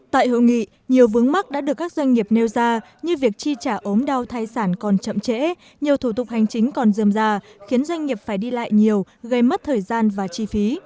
tại hội nghị nhiều vướng mắt đã được các doanh nghiệp nêu ra như việc chi trả ốm đau thai sản còn chậm trễ nhiều thủ tục hành chính còn dườm ra khiến doanh nghiệp phải đi lại nhiều gây mất thời gian và chi phí